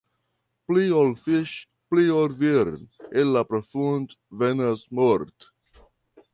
Pli ol fiŝ', pli ol vir', el la profund' venas mort'.